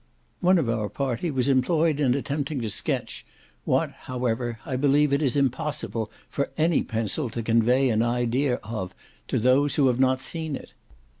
One of our party was employed in attempting to sketch, what, however, I believe it is impossible for any pencil to convey an idea of to those who have not seen it.